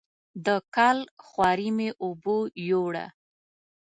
د کال خواري مې اوبو یووړه.